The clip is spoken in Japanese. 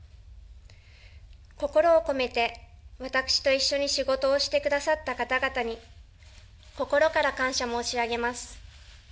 心を込めて、私と一緒に仕事をしてくださった方々に、心から感謝申し上げます。